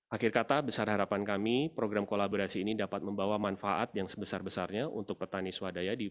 akhir kata besar harapan kami program kolaborasi ini dapat membawa manfaat yang sebesar besarnya untuk petani swadaya di indonesia